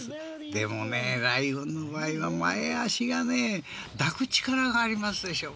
でもね、ライオンの場合は前足がね抱く力がありますでしょう。